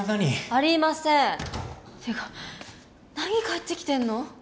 ありませんていうか何帰ってきてんの？